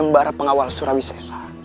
embara pengawal surawi sesa